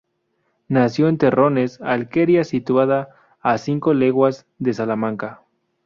Nació en Terrones, alquería situada a cinco leguas de Salamanca.